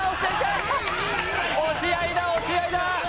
押し合いだ押し合いだ。